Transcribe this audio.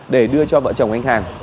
để đưa cho vợ chồng anh hàng